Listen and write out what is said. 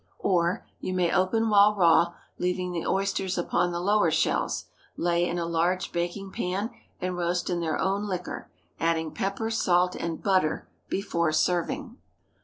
Or, you may open while raw, leaving the oysters upon the lower shells; lay in a large baking pan, and roast in their own liquor, adding pepper, salt, and butter before serving.